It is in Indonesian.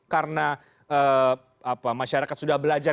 karena masyarakat sudah belajar